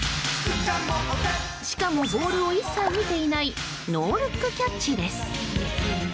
しかも、ボールを一切見ていないノールックキャッチです。